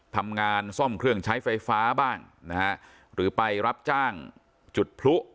ทำงานซ่อมเครื่องใช้ไฟฟ้าบ้างนะฮะหรือไปรับจ้างจุดพลุ